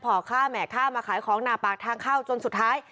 พ่อฆ่าแหม่ข้าวมาขายของหน้าปากทางเข้าจนสุดท้าย